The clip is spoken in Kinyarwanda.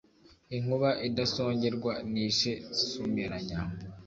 Inkuba idasongerwa nishe Sumiranya.